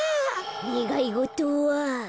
ねがいごとは。